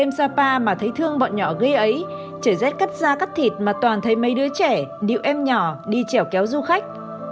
em sapa mà thấy thương bọn nhỏ gây ấy trời rét cắt da cắt thịt mà toàn thấy mấy đứa trẻ điệu em nhỏ đi trèo kéo du khách